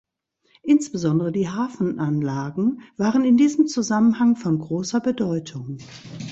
Insbesondere die Hafenanlagen waren in diesem Zusammenhang von großer Bedeutung.